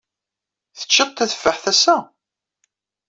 Teččiḍ tatteffaḥt ass-a?